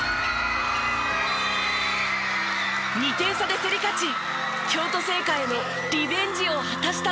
２点差で競り勝ち京都精華へのリベンジを果たしたのです。